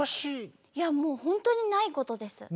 いやもうほんとにないことです。